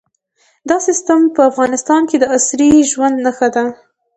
دا سیستم په افغانستان کې د عصري ژوند نښه ده.